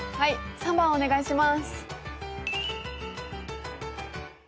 ３番お願いします。